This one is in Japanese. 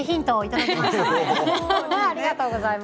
ありがとうございます。